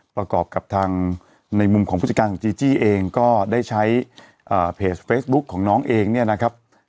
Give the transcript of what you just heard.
ประกอบกับทางในมุมของผู้จัดการของจีจี้เองก็ได้ใช้เพจเฟซบุ๊คของน้องเองเนี่ยนะครับ